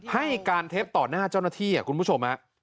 ให้การเท็จต่อหน้าเจ้าหน้าที่คุณผู้ชม